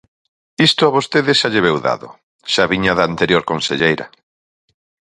Isto a vostede xa lle veu dado, xa viña da anterior conselleira.